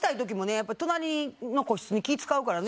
やっぱ隣の個室に気使うからね。